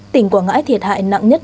tỉnh quảng ngãi thiệt hại nặng nhất